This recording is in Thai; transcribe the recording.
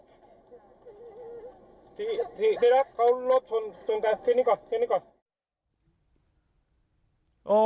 ทีทีทีแล้วเขารถชนชนแกที่นี่ก่อน